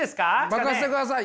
任せてください！